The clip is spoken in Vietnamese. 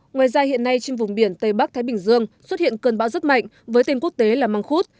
ngoài ra hiện nay trên vùng biển tây bắc thái bình dương xuất hiện cơn bão rất mạnh với tên quốc tế là măng khuốt